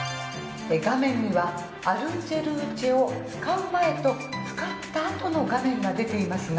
画面にはＡｌｕｃｅｌｕｃｅを使う前と使ったあとの画面が出ていますが。